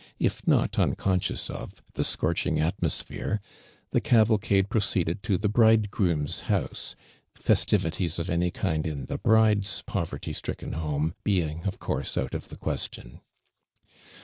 if not uncon scious of, tho scorching atmosi)hore, the cavalcatlo proceeded to tlie hndegroonTH house, festivities of any kind in the hri<le's l»ovorty stri(^ken home lieiug if course out of tho question.